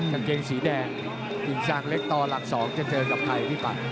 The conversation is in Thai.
กางเกงสีแดงกิ่งซางเล็กต่อหลัก๒จะเจอกับใครพี่ปัด